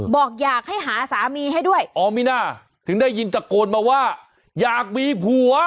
บอกอยากให้หาสามีให้ด้วยออมิน่าถึงได้ยินตะโกนมาว่าอยากมีผัว